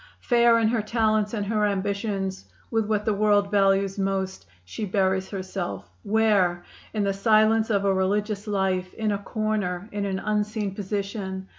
Fair in her talents and her ambitions with what the world values most, she buries herself where? In the silence of a religious life, in a corner, in an unseen position!